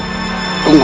ular dumung raja